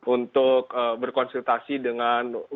untuk berkonsultasi dengan masyarakat